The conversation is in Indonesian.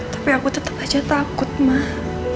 tapi aku tetap aja takut mah